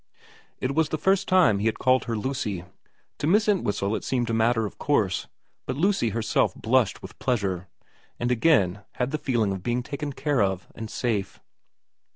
It was the first time he had called her Lucy. To Miss Entwhistle it seemed a matter of course, but Lucy herself flushed with pleasure, and again had the feeling of being taken care of and safe.